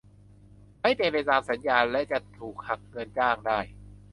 ไม่เป็นตามสัญญาและจะถูกหักเงินจ้างได้